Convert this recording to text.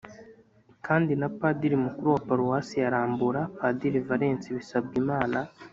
kandi na padiri mukuru wa paruwasi ya rambura, padiri valens bisabwimana.